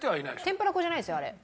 天ぷら粉じゃないですよあれ。